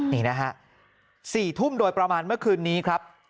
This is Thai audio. นี่นะฮะ๔ทุ่มโดยประมาณเมื่อคืนนี้ครับ